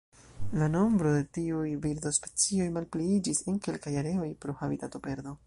La nombroj de tiu birdospecio malpliiĝis en kelkaj areoj pro habitatoperdo.